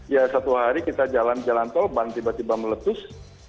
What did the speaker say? ya satu hari kita jalan jalan tol ban tiba tiba meletus